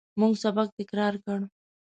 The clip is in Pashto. موږ سبق تکرار کړ.